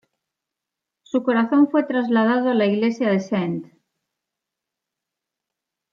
Su corazón fue trasladado a la iglesia de St.